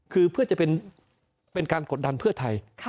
คือเพื่อจะเป็นการกดดันเพื่อไทย